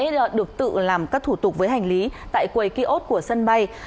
hành khách sẽ được tự cân thủ tục với hành lý tại quầy ký ốt của sân bay